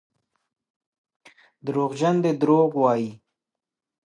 دروغجن دي دروغ وايي.